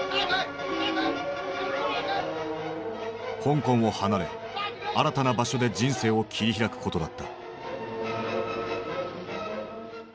香港を離れ新たな場所で人生を切り開くことだった。